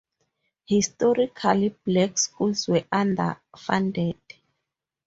Historically black schools were underfunded.